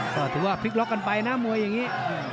ก็ถือว่าพลิกล็อกกันไปนะมวยอย่างนี้